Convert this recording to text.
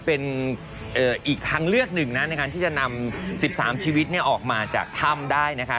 เป็นอีกทางเลือกหนึ่งนะในการที่จะนำ๑๓ชีวิตออกมาจากถ้ำได้นะคะ